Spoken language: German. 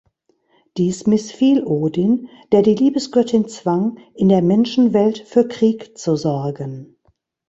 Dies missfiel Odin, der die Liebesgöttin zwang, in der Menschenwelt für Krieg zu sorgen.